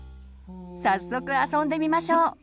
早速あそんでみましょう！